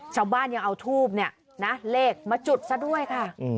ชาวบ้านยังเอาทูบเนี่ยนะเลขมาจุดซะด้วยค่ะ